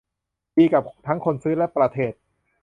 ดีกับทั้งคนซื้อและประเทศ